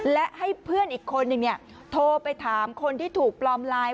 และให้เพื่อนอีกคนนึงโทรไปถามคนที่ถูกปลอมไลน์